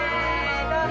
どうぞ。